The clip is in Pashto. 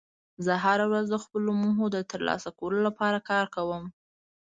زه هره ورځ د خپلو موخو د ترلاسه کولو لپاره کار کوم